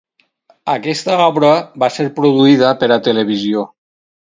Aquesta obra va ser produïda per a televisió.